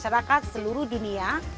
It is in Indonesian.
saya ingin masyarakat seluruh dunia